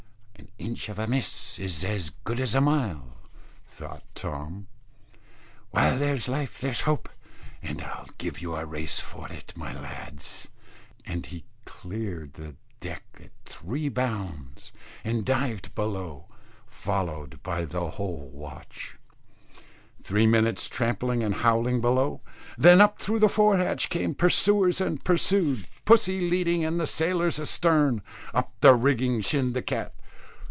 "An inch of a miss is as good as a mile," thought Tom; "while there's life there's hope, and I'll give you a race for it, my lads." And he cleared the deck at three bounds, and dived below, followed by the whole watch. Three minutes' trampling and howling below, then up through the fore hatch came pursuers and pursued, pussy leading and the sailors astern. Up the rigging shinned the cat.